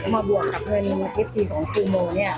มาบวกกับเพื่อนเอฟซีของคุณโม